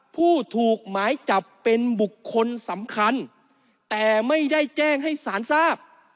ผู้ถูกหมายจับเป็นบุคคลสำคัญแต่ไม่ได้แจ้งให้สารทราบ